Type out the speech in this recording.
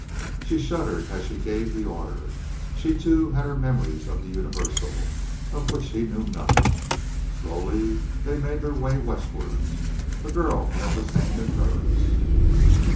She shuddered as she gave the order. She, too, had her memories of the Universal, of which he knew nothing. Slowly they made their way westwards. The girl held his hand in hers.